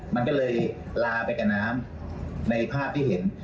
มันก็เลยลาไปกับน้ำในภาพที่เห็น